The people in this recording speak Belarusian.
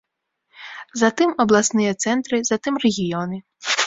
Затым абласныя цэнтры, затым рэгіёны.